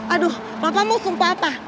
aduh papa mau sumpah apa